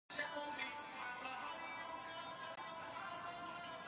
ژبې د افغانستان د طبیعت د ښکلا برخه ده.